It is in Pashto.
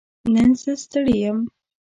نن زه ستړې يم